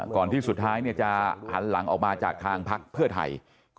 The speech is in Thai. ก่อนที่สุดท้ายจะหันหลังออกมาจากทางพักเพื่อไทย